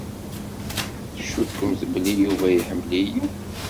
Tcukkemt belli Yuba iḥemmel-iyi?